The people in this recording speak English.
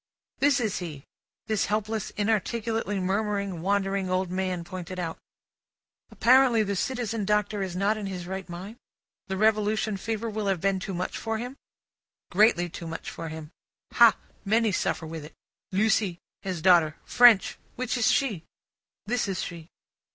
This is he; this helpless, inarticulately murmuring, wandering old man pointed out. "Apparently the Citizen Doctor is not in his right mind? The Revolution fever will have been too much for him?" Greatly too much for him. "Hah! Many suffer with it. Lucie. His daughter. French. Which is she?" This is she.